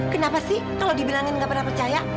kenapa sih kalau dibilangin nggak pernah percaya